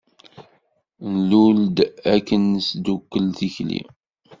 Nlul-d akken ad nesdukkel tikli.